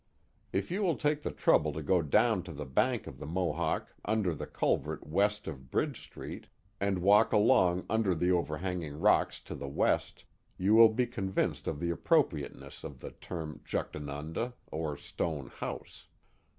!f you will take the trouble to go down to the bank of the Mohawk under the culvert west of Bridge Street and walk along under the overhanging rocks to the west, you will be convinced of the appropriateness of the term "Juchtanunda." or stone house.